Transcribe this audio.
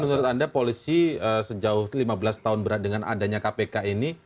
jadi menurut anda polisi sejauh lima belas tahun berat dengan adanya kpk ini